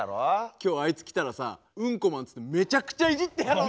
今日あいつ来たらさ「うんこマン」っつってめちゃくちゃいじってやろうぜ！